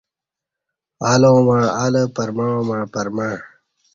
الاں مع الہ پرمعاں مع پرمع